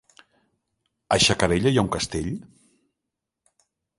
A Xacarella hi ha un castell?